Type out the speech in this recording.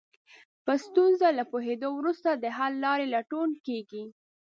په ستونزه له پوهېدو وروسته د حل لارې لټون کېږي.